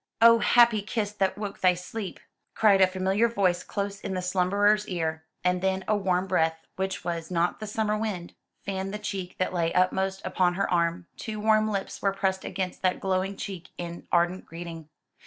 "'Oh, happy kiss that woke thy sleep!'" cried a familiar voice close in the slumberer's ear, and then a warm breath, which was not the summer wind, fanned the cheek that lay upmost upon her arm, two warm lips were pressed against that glowing cheek in ardent greeting.